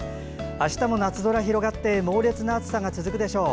明日も夏空が広がって猛烈な暑さが続くでしょう。